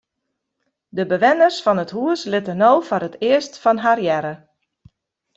De bewenners fan it hús litte no foar it earst fan har hearre.